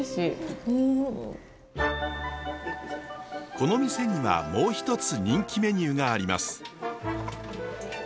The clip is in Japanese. この店にはもう一つ人気メニューがあります。